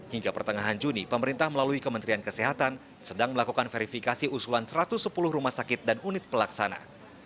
hingga pertengahan juni pemerintah melalui kementerian kesehatan sedang melakukan verifikasi usulan satu ratus sepuluh rumah sakit dan unit pelaksana